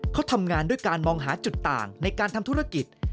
เขาทำงานด้วยการมองหาจุดต่างในการทำธุรกิจ